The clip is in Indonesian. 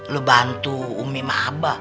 lo bantu umi sama aba